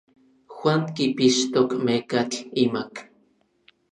Juan kipixtok mekatl imak.